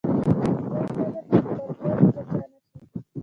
حمزه قدر په خپل کور کې د چا نه شي.